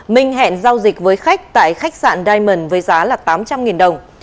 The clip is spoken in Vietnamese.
minh hẹn giao dịch với khách tại khách sạn diamond với giá là tám trăm linh đồng